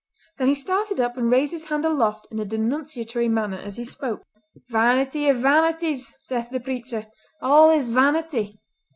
Then he started up and raised his hand aloft in a denunciatory manner as he spoke:— "'Vanity of vanities, saith the preacher. All is vanity.